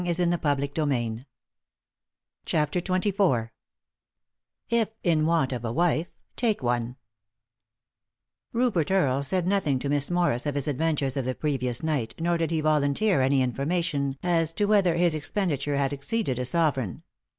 ns 3i 9 iii^d by Google CHAPTER XXIV IF IN WANT OF A WIFE, TAKE ONE Rupert Earle said nothing to Miss Morris of his adventures of the previous night, nor did he volunteer any information as to whether bis expenditure had exceeded a sovereign.